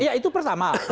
iya itu pertama